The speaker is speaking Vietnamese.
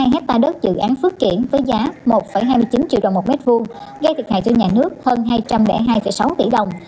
ba mươi hai hectare đất dự án phước kiển với giá một hai mươi chín triệu đồng một m hai gây thiệt hại cho nhà nước hơn hai trăm linh hai sáu tỷ đồng